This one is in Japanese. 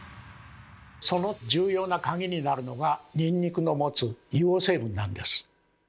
その重要な鍵になるのがニンニクの持つ硫黄成分なんです。